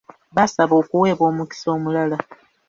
Baasaba okuweebwa omukisa omulala.